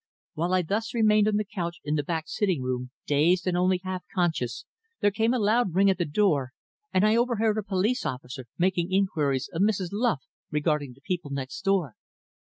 While I thus remained on the couch in the back sitting room, dazed and only half conscious, there came a loud ring at the door and I overheard a police officer making inquiries of `Mrs. Luff' regarding the people next door.